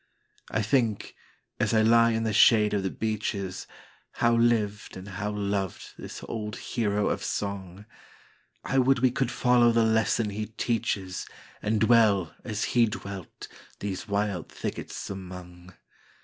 I think, as I lie in the shade of the beeches, How lived and how loved this old hero of song;I would we could follow the lesson he teaches, And dwell, as he dwelt, these wild thickets among.